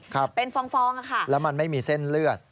ครับเป็นฟองฟองอะค่ะแล้วมันไม่มีเส้นเลือด